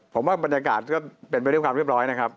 ผมว่าบรรยากาศก็เป็นไปด้วยความเรียบร้อยนะครับ